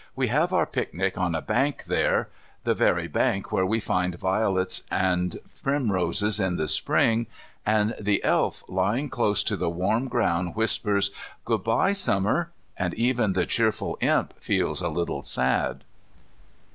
We have our picnic on a bank there, the very bank where we find violets and primroses in the spring, and the Elf lying close to the warm ground whispers "Good bye, Summer," and even the cheerful Imp feels a little sad.